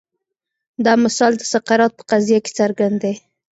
دا مثال د سقراط په قضیه کې څرګند دی.